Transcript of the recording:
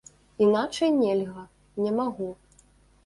Іначай нельга, не магу.